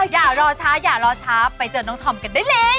อย่ารอช้าอย่ารอช้าไปเจอน้องธอมกันได้เลย